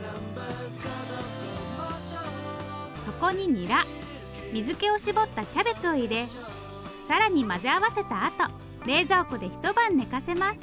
そこにニラ水けを絞ったキャベツを入れ更に混ぜ合わせたあと冷蔵庫で一晩ねかせます